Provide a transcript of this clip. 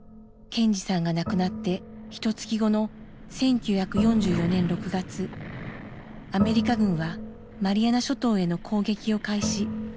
賢二さんが亡くなってひとつき後の１９４４年６月アメリカ軍はマリアナ諸島への攻撃を開始。